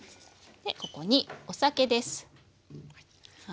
ここにお酒です。